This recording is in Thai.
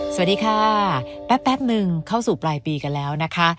สวัสดีค่ะแป๊บนึงเข้าสู่ปลายปีกันแล้วนะคะ